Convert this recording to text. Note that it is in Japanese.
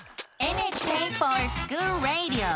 「ＮＨＫｆｏｒＳｃｈｏｏｌＲａｄｉｏ」！